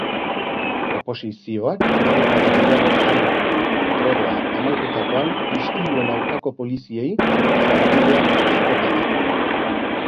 Oposizioak barrikada gehiago jarri ditu, tregoa amaitutakoan istiluen aurkako poliziei sarbidea oztopatzeko.